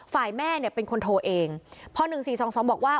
ฝ่ายแม่เนี่ยเป็นคนโทรเองพอหนึ่งสี่สองสองบอกว่า